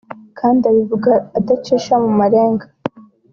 kandi akabivuga adacisha mu marenga